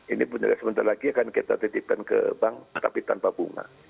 ini pun juga sebentar lagi akan kita titipkan ke bank tapi tanpa bunga